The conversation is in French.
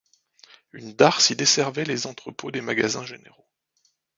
Une darse y desservait les entrepôts des Magasins généraux.